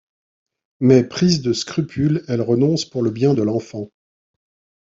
Mais prise de scrupules, elle renonce pour le bien de l'enfant.